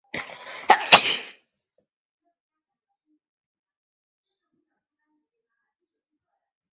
温妮台风挟带强风豪雨过境台湾北部及东北部地区。